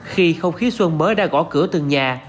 khi không khí xuân mới đã gõ cửa từng nhà